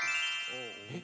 えっ？